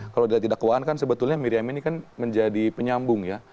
kalau dilihat di dakwaan kan sebetulnya miriam ini kan menjadi penyambung ya